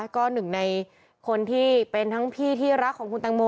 ก็หนึ่งในคนที่เป็นทั้งพี่ที่รักของคุณตังโม